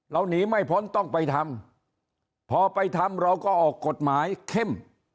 หนีไม่พ้นต้องไปทำพอไปทำเราก็ออกกฎหมายเข้ม